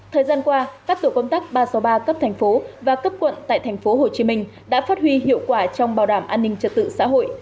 thời gian qua các tổ công tác ba trăm sáu mươi ba cấp thành phố và cấp quận tại tp hcm đã phát huy hiệu quả trong bảo đảm an ninh trật tự xã hội